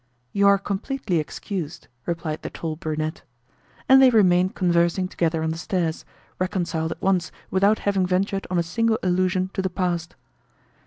"You are completely excused," replied the tall brunette. And they remained conversing together on the stairs, reconciled at once without having ventured on a single allusion to the past.